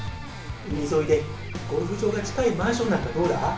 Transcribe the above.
海沿いでゴルフ場が近いマンションなんかどうだ？